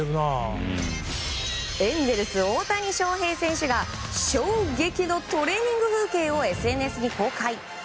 エンゼルス、大谷翔平選手が衝撃のトレーニング風景をＳＮＳに公開。